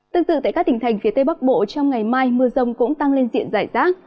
tương tự tại các tỉnh thành phía tây bắc bộ trong ngày mai mưa rông cũng tăng lên diện giải rác